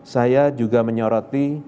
saya juga menyoroti